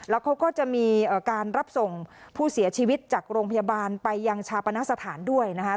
แล้วเขาก็จะมีการรับส่งผู้เสียชีวิตจากโรงพยาบาลไปยังชาปณสถานด้วยนะคะ